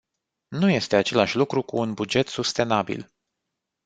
Nu este același lucru cu un buget sustenabil.